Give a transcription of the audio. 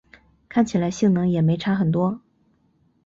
看起来性能也没差很多